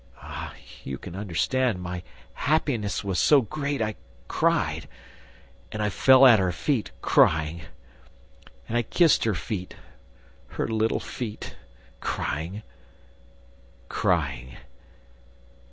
... Ah, you can understand, my happiness was so great, I cried. And I fell at her feet, crying ... and I kissed her feet ... her little feet ... crying.